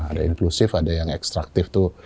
ada inklusif ada yang ekstraktif tuh